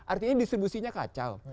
artinya distribusinya kacau